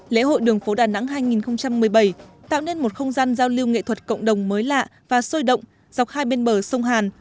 lễ hội đường phố đà nẵng hai nghìn một mươi bảy tạo nên một không gian giao lưu nghệ thuật cộng đồng mới lạ và sôi động dọc hai bên bờ sông hàn